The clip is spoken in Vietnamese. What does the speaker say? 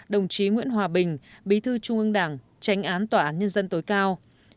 hai mươi một đồng chí nguyễn hòa bình bí thư trung ương đảng tránh án tòa án nhân dân tối cao